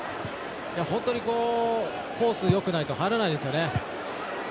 本当にコースがよくないと入らないですよね。